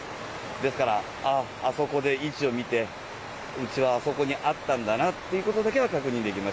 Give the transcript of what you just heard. ですから、あっ、あそこで位置を見て、うちはあそこにあったんだなっていうことだけは確認できま